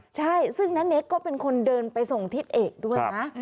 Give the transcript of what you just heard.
ใช่ซึ่งณเนคก็เป็นคนเดินไปส่งทิศเอกด้วยนะ